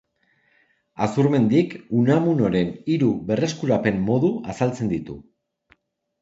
Azurmendik Unamunoren hiru berreskurapen modu azaltzen ditu.